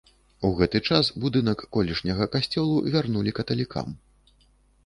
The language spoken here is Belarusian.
У гэты час будынак колішняга касцёла вярнулі каталікам.